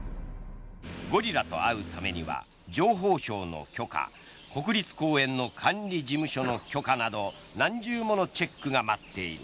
ゴリラと会うためには情報省の許可国立公園の管理事務所の許可など何重ものチェックが待っている。